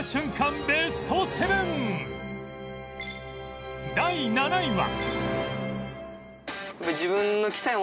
ベスト７第７位は